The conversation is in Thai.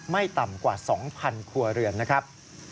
ไม่ต่ำกว่า๒๐๐ครัวเรือนนะครับ